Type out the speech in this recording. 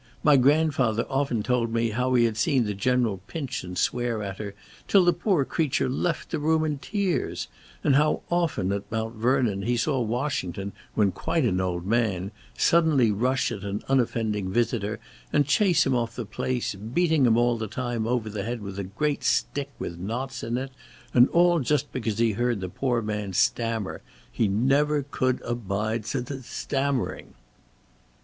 My grandfather often told me how he had seen the General pinch and swear at her till the poor creature left the room in tears; and how once at Mount Vernon he saw Washington, when quite an old man, suddenly rush at an unoffending visitor, and chase him off the place, beating him all the time over the head with a great stick with knots in it, and all just because he heard the poor man stammer; he never could abide s s stammering."